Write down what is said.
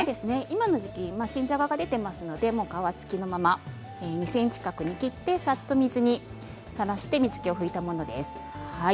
今の時期新じゃがが出ていますので皮付きのまま２ｃｍ角に切ってさっと水にさらして水けを拭いたものです。